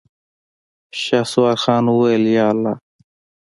شهسوار خان وويل: ياالله.